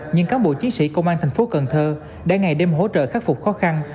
nhưng cán bộ chiến sĩ công an thành phố cần thơ đã ngày đêm hỗ trợ khắc phục khó khăn